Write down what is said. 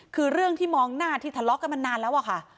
คือเรื่องที่มองหน้าที่ทะเลาะกันมานานแล้วอะค่ะ